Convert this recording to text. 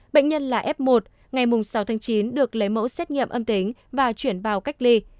bệnh nhân là f một ngày sáu tháng chín được lấy mẫu xét nghiệm âm tính và chuyển vào cách ly